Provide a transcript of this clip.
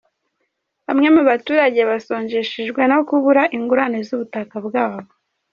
Bamwe mu baturage basonjeshejwe no kubura ingurane z’ubutaka bwabo